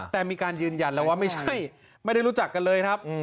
แต่มีการยืนยันว่าไมก็ไม่รู้จักกันเลยครับ